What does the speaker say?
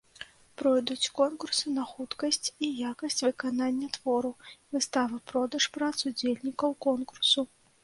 Пройдуць конкурсы на хуткасць і якасць выканання твору, выстава-продаж прац удзельнікаў конкурсу.